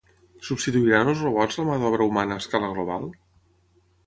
Substituiran els robots la mà d’obra humana a escala global?